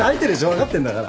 分かってんだから。